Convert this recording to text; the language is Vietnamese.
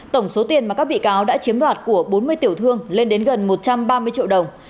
tổng số tiền mà các bị cáo đã chiếm đoạt của bốn mươi tiểu thương lên đến gần một trăm ba mươi triệu đồng